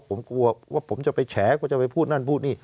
ผมกลัวว่าผมจะไปแฉกลัวจะไปพูดนั่นพูดนี่